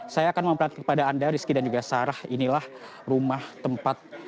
saya akan memperhatikan kepada anda rizky dan juga sarah inilah rumah tempat